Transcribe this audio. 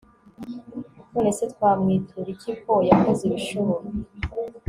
none se twamwitura iki ko yakoze ibishoboye